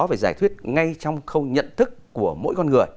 phải giải thuyết ngay trong khâu nhận thức của mỗi con người